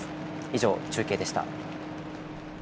以上、中継でした。